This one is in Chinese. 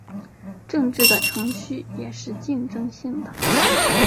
政治的程序也是竞争性的。